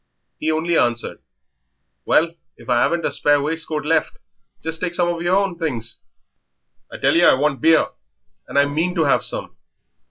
He only answered "Well, if I 'aven't a spare waistcoat left just take some of yer own things. I tell yer I want beer, and I mean to have some."